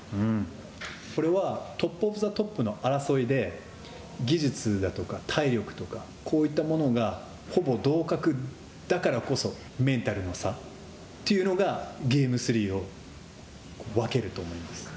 これはトップ・オブ・ザ・トップの争いで技術だとか体力とかこういったものがほぼ同格だからこそメンタルの差というのがゲームを分けると思います。